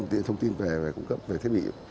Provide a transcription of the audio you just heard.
thông tin về cung cấp về thiết bị